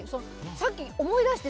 さっき、思い出して。